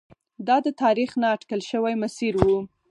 دا د تاریخ نا اټکل شوی مسیر و.